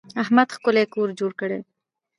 احمد ښکلی کور جوړ کړی.